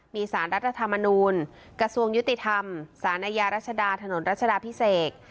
มีสารรัฐธรรมนูลกระทรวงยุติธรรมศาลอาญารัชดาถนนรัชดาพิเศษ